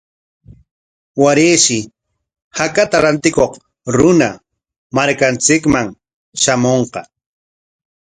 Warayshi hakata rantikuq runa markanchikman shamunqa.